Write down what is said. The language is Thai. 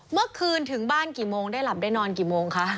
เมื่อคืนถึงบ้านกี่โมงได้หลับได้นอนกี่โมงคะ